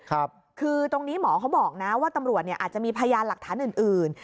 คือตรงนี้หมอเขาบอกนะว่าตำรวจเนี่ยอาจจะมีพยานหลักฐานอื่นอื่น